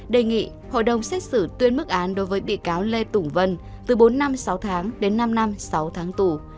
đề nghị hội đồng xét xử tuyên mức án đối với bị cáo lê tùng vân từ bốn năm sáu tháng đến năm năm sáu tháng tù